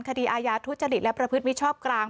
คดีอาญาทุจริตและประพฤติมิชชอบกลาง